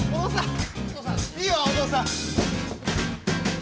いいよお父さん！